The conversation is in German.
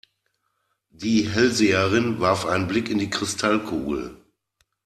Die Hellseherin warf einen Blick in die Kristallkugel.